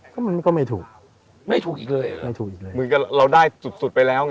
ก็มันก็ไม่ถูกไม่ถูกอีกเลยไม่ถูกอีกเลยเหมือนกับเราได้สุดสุดไปแล้วไง